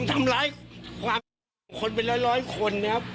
ทำร้ายความรักของคนเป็นร้อยคนนะครับ